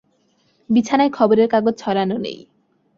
বিছানায় খবরের কাগজ ছড়ানো নেই।